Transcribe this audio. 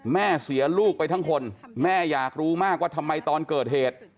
แม่เสียลูกไปทั้งคนแม่อยากรู้มากว่าทำไมตอนเกิดเหตุ